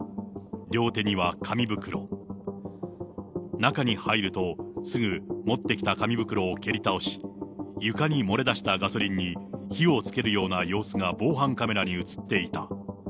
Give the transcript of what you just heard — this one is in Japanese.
両手には紙袋、中に入ると、すぐ持ってきた紙袋を蹴り倒し、床に漏れ出したガソリンに火をつけるような様子が防犯カメラに写っていた。